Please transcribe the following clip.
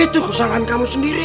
itu kesalahan kamu sendiri